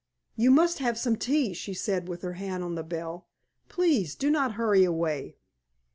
"You must have some tea," she said, with her hand on the bell. "Please do not hurry away."